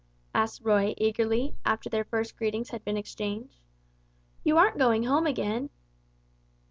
asked Roy, eagerly, after their first greetings had been exchanged; "you aren't going home again?"